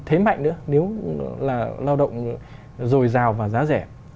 và thế mạnh nữa nếu là lao động rồi rào và giá rẻ